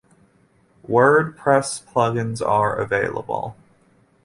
Wordpress plugins are available.